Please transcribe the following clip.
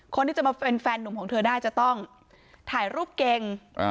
คนที่จะมาเป็นแฟนหนุ่มของเธอได้จะต้องถ่ายรูปเก่ง